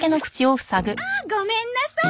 あっごめんなさい。